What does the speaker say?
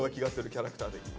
キャラクター的に。